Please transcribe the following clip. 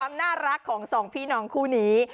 ความน่ารักของสองพี่น้องคู่นี้